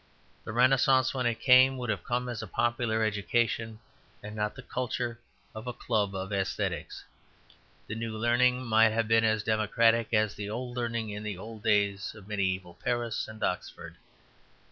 The Renascence, when it came, would have come as popular education and not the culture of a club of æsthetics. The New Learning might have been as democratic as the old learning in the old days of mediæval Paris and Oxford.